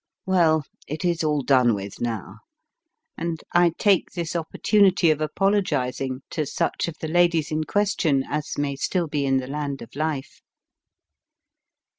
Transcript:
Well, it is all done with now, and I take this opportunity of apologising to such of the ladies in question as may still be in the land of life.